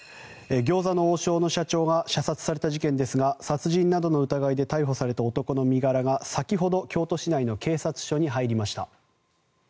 餃子の王将の社長が射殺された事件ですが殺人などの疑いで逮捕された男の身柄が先ほど、京都市内の警察署に入りました。